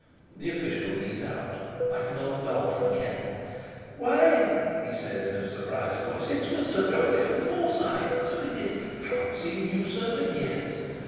The official leaned out, like an old dog from a kennel. "Why," he said in a surprised voice, "it's Mr. Jolyon Forsyte! So it is! Haven't seen you, sir, for years.